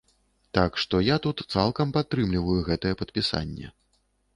Так што я тут цалкам падтрымліваю гэтае падпісанне.